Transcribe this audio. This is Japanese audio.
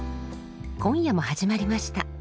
今夜も始まりました。